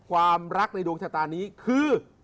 ความรักในโดงชาต่านี้ก็คือ